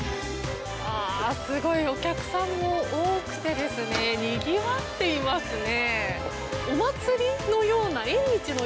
すごいお客さんも多くてにぎわっていますね。